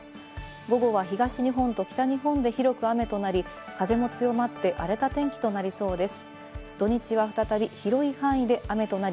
午後は東日本と北日本で広く雨となり、風も強まって、荒れた天気となりそうです。